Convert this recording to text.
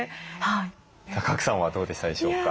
さあ賀来さんはどうでしたでしょうか？